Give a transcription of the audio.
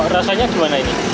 kalau rasanya gimana ini